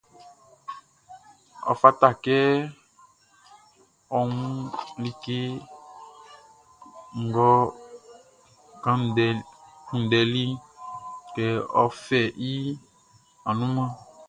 Ɔ fata kɛ ɔ wun like ngʼɔ kunndɛliʼn, kɛ ɔ fɛ i annunmanʼn.